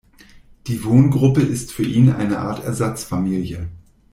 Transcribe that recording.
Die Wohngruppe ist für ihn eine Art Ersatzfamilie.